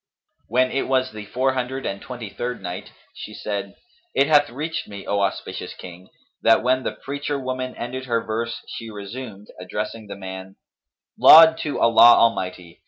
When it was the Four Hundred and Twenty third Night, She said, It hath reached me, O auspicious King, that when the preacher woman ended her verse she resumed, addressing the man, " 'Laud to Allah Almighty!